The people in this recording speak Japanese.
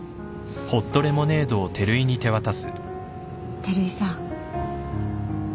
照井さん。